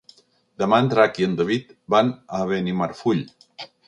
Demà en Drac i en David van a Benimarfull.